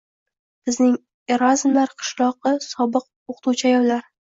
Bizning Erazmlar — qishloqi sobiq o‘qituvchi ayollar